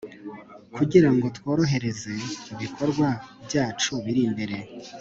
Kugirango tworohereze ibikorwa byacu biri imbere